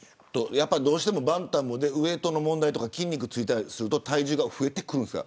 どうしてもバンタムはウエートの問題とか筋肉がつくと体重が増えてくるんですか。